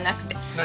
何？